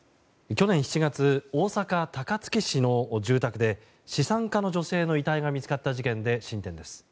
去年７月、大阪・高槻市の住宅で資産家の女性の遺体が見つかった事件で、進展です。